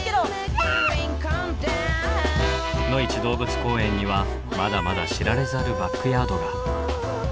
いや！のいち動物公園にはまだまだ知られざるバックヤードが。